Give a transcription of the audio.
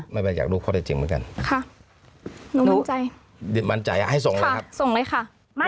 ไม่เป็นไรอยากรู้เพราะว่าเอาไปจริงเหมือนกัน